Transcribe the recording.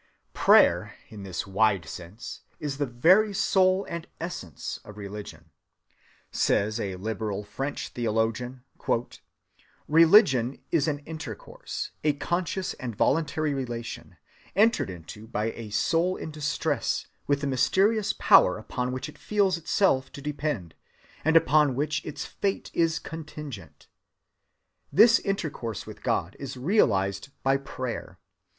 Prayer in this wide sense is the very soul and essence of religion. "Religion," says a liberal French theologian, "is an intercourse, a conscious and voluntary relation, entered into by a soul in distress with the mysterious power upon which it feels itself to depend, and upon which its fate is contingent. This intercourse with God is realized by prayer.